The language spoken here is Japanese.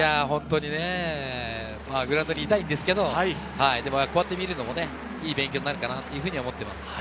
本当にね、グラウンドにいたいんですけれど、こうやってみるのもいい勉強になるかなというふうに思っています。